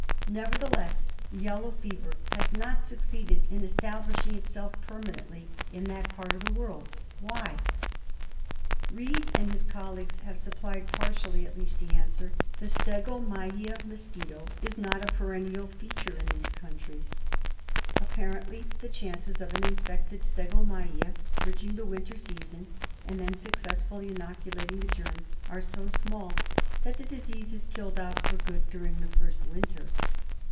Nevertheless yellow fever has not succeeded in establishing itself permanently in that part of the world. Why ? Reed and his colleagues have supplied, partially at least, the answer. The stegomyia mosquito is not a perennial feature in these countries. Apparently the chances of an infected stegomyia bridging the winter season and then successfully inoculating the germ are so small that the disease is killed out for good during the first winter.